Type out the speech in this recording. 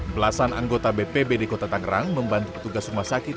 belasan anggota bpbd kota tangerang membantu petugas rumah sakit